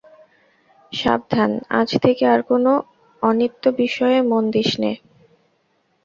সাবধান, আজ থেকে আর কোন অনিত্য বিষয়ে মন দিসনে।